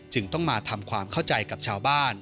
จึงต้องมาทำความเข้าใจกับชาวบ้าน